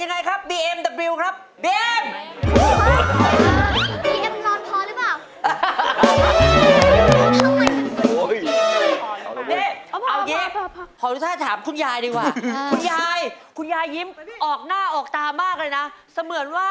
น้องก็ให้แม่มาคออย่ารอให้มันนานแรงพี่มีสิทธิ์ไม่เชื่อมา